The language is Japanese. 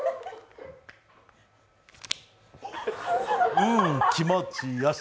うーん、気持ちよし。